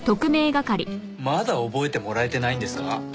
まだ覚えてもらえてないんですか？